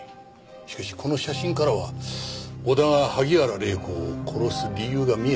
しかしこの写真からは小田が萩原礼子を殺す理由が見えてこない。